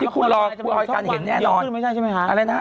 การเห็นแน่นอนรีวิวไม่ได้ใช่ไหมคะ